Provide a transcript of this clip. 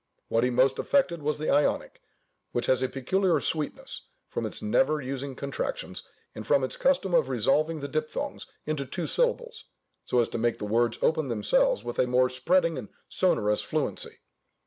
What he most affected was the Ionic, which has a peculiar sweetness, from its never using contractions, and from its custom of resolving the diphthongs into two syllables, so as to make the words open themselves with a more spreading and sonorous fluency.